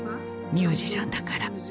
ミュージシャンだから。